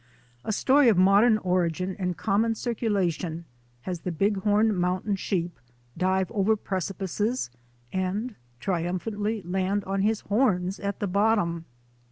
A story of modern origin and common circula tion has the Bighorn mountain sheep dive over precipices and triumphantly land on his horns at the bottom.